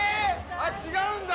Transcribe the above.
あっ違うんだ？